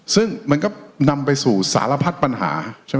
ซึ่งมันก็นำไปสู่สารพัดปัญหา